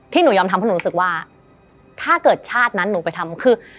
หนูยอมทำเพราะหนูรู้สึกว่าถ้าเกิดชาตินั้นหนูไปทำคือ